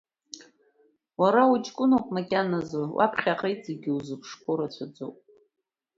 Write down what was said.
Уара уҷкәыноуп макьаназы, уаԥхьаҟа иҵагь иузыԥшқәоу рацәаӡоуп!